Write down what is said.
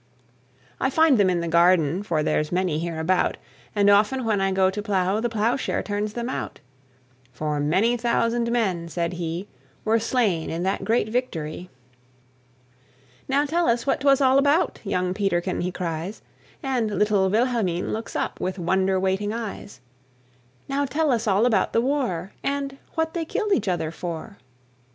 "I find them in the garden, For there's many hereabout; And often when I go to plow, The plowshare turns them out; For many thousand men," said he, "Were slain in that great victory!" "Now tell us what 'twas all about," Young Peterkin he cries; And little Wilhelmine looks up With wonder waiting eyes; "Now tell us all about the war, And what they killed each other for."